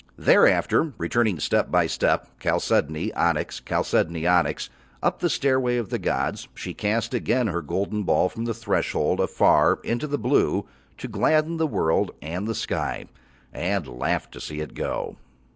Thereafter, returning step by step, chalcedony, onyx, chalcedony, onyx, up the stairway of the gods, she cast again her golden ball from the Threshold afar into the blue to gladden the world and the sky, and laughed to see it go.